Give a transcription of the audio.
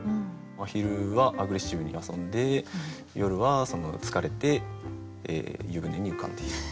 真昼はアグレッシブに遊んで夜は疲れて湯船に浮かんでいる。